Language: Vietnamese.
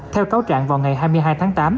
theo cáo trạng vào ngày hai mươi hai tháng tám